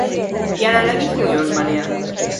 Jelenleg is New Yorkban él.